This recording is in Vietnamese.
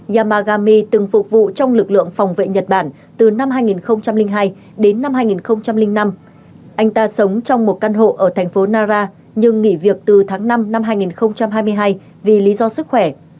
yamagami từng phục vụ trong lực lượng phòng vệ nhật bản từ năm hai nghìn hai đến năm hai nghìn năm anh ta sống trong một căn hộ ở thành phố nara nhưng nghỉ việc từ tháng năm năm hai nghìn hai mươi hai vì lý do sức khỏe